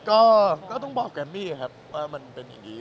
ก็ก็ต้องบอกก้านมีอีกครับว่ามันเป็นอย่างนี้